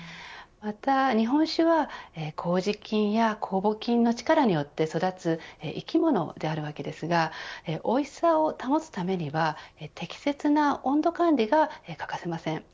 また日本酒は麹菌や酵母菌の力によって育つ生き物であるわけですがおいしさを保つためには適切な温度管理が欠かせません。